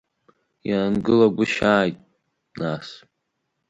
Иаангылагәышьааит, нас.